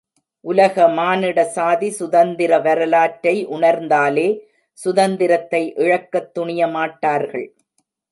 உலக மானிட சாதி சுதந்திர வரலாற்றை உணர்ந்தாலே சுதந்தரத்தை இழக்கத் துணியமாட்டார்கள்.